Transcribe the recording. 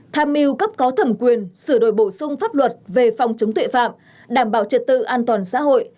tham mưu cấp có thẩm quyền sửa đổi bổ sung pháp luật về phòng chống tội phạm đảm bảo trật tự an toàn xã hội